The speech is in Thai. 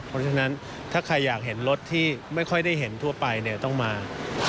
เพราะฉะนั้นถ้าใครอยากเห็นรถที่ไม่ค่อยได้เห็นทั่วไปเนี่ยต้องมา